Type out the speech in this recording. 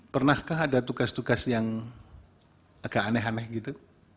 pernahkah ada tugas tugas yang agak aneh aneh gitu